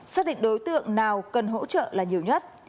xác định đối tượng nào cần hỗ trợ là nhiều nhất